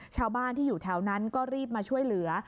ชาวบ้านที่อยู่แถวนั้นก็รีบมาช่วยเหลือ